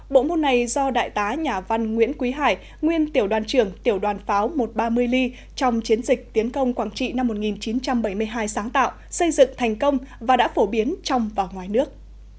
bộ môn này do đại tá nhà văn nguyễn quý hải nguyên tiểu đoàn trưởng tiểu đoàn pháo một trăm ba mươi ly trong chiến dịch tiến công quảng trị năm một nghìn chín trăm bảy mươi hai sáng tạo xây dựng thành công và đã phổ biến trong và ngoài nước